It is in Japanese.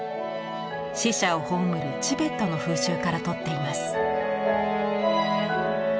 死者を葬るチベットの風習からとっています。